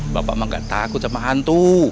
bapak mah gak takut sama hantu